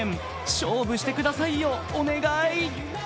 勝負してくださいよ、お願い！